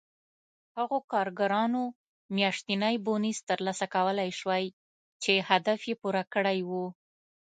هغو کارګرانو میاشتنی بونېس ترلاسه کولای شوای چې هدف یې پوره کړی و